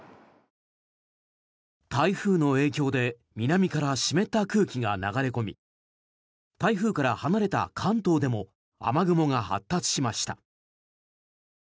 台風の影響で南から湿った空気が流れ込み台風から離れた関東でも雨雲が発達しました。